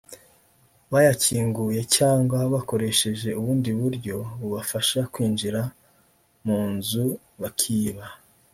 bayakinguye cyangwa bakoresheje ubundi buryo bubafasha kwinjira mu nzu bakiba